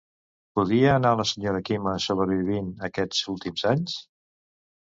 Podia anant la senyora Quima sobrevivint aquests últims anys?